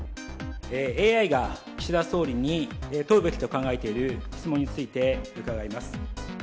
ＡＩが岸田総理に問うべきと考えている質問について伺います。